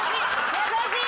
優しい！